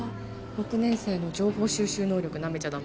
６年生の情報収集能力なめちゃ駄目。